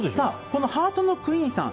このハートのクイーンさん